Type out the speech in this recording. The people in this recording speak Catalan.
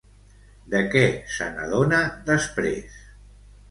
De què se n'adona després?